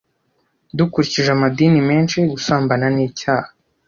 Dukurikije amadini menshi, gusambana nicyaha.